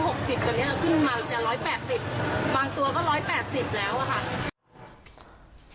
ขึ้นมาจะร้อยแปดสิบบางตัวก็ร้อยแปดสิบแล้วอ่ะค่ะ